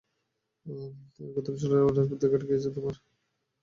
Gotham শহরের রাজপুত্রকে আটকিয়েছ তোমরা।